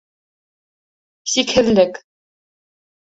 Сикһеҙлек